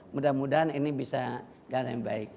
mudah mudahan ini bisa kalian baik